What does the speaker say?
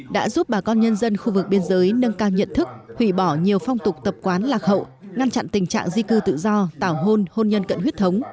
đã giúp bà con nhân dân khu vực biên giới nâng cao nhận thức hủy bỏ nhiều phong tục tập quán lạc hậu ngăn chặn tình trạng di cư tự do tảo hôn hôn nhân cận huyết thống